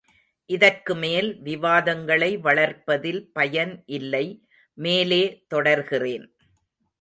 இதற்கு மேல் விவாதங்களை வளர்ப்பதில் பயன் இல்லை, மேலே தொடர்கிறேன்.